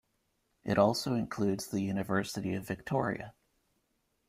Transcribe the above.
It also includes the University of Victoria.